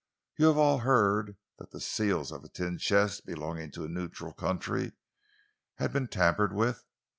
You have all heard that the seals of a tin chest belonging to a neutral country had been tampered with.